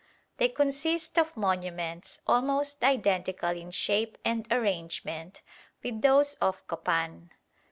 They consist of monuments almost identical in shape and arrangement with those of Copan.